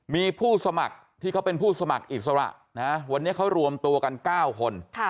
มีผู้สมัครที่เขาเป็นผู้สมัครอิสระวันนี้เขารวมตัวกัน๙คน